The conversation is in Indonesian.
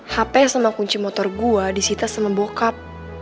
hp sama kunci motor gue disitas sama bokap